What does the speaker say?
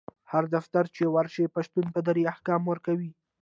هر دفتر چی ورشي پشتون په دري احکام ورکوي